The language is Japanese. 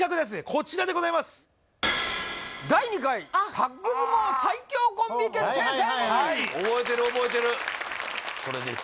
こちらでございます覚えてる覚えてるこれです